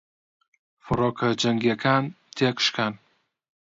فڕۆکە جەنگیەکان تێکشکان